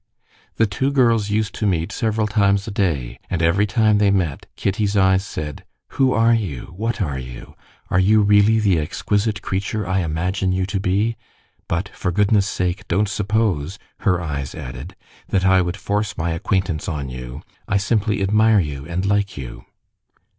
The two girls used to meet several times a day, and every time they met, Kitty's eyes said: "Who are you? What are you? Are you really the exquisite creature I imagine you to be? But for goodness' sake don't suppose," her eyes added, "that I would force my acquaintance on you, I simply admire you and like you."